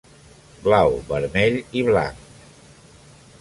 Blau, vermell i blanc.